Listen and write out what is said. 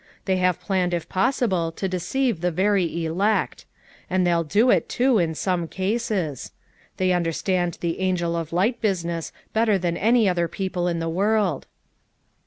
They have planned if possible to deceive the very elect; and they'll do it, too, in some cases. They understand the 'angel of light' business better than any other people in the world."